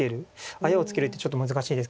「あやをつける」ってちょっと難しいですけど。